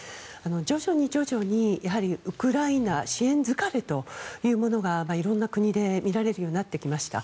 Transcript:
徐々に徐々にウクライナ支援疲れというものが色んな国で見られるようになってきました。